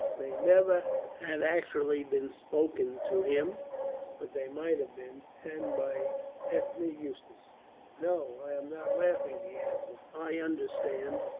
They never had actually been spoken to him, but they might have been and by Ethne Eustace. "No, I am not laughing," he answered. "I understand."